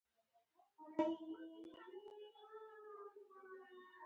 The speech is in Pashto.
له ازله له تا ربه.